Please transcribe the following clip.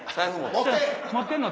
持ってんの？